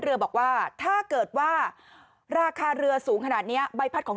เรือบอกว่าถ้าเกิดว่าราคาเรือสูงขนาดเนี้ยใบพัดของ